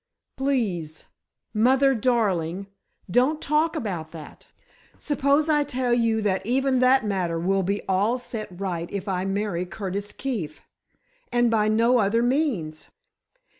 "Please, mother darling, don't talk about that. Suppose I tell you that even that matter will be all set right if I marry Curtis Keefe—and by no other means.